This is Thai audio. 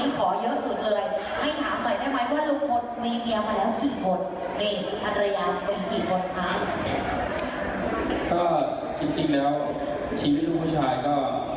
มีเกียร์มาแล้วกี่คนในภรรยากี่คนค่ะก็จริงจริงแล้วชีวิตลุกผู้ชายก็